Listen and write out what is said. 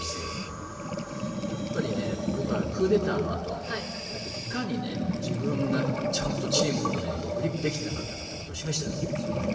やっぱりね僕はクーデターのあといかに自分がちゃんとチームをグリップできていなかったかということを示してると思うんですよね。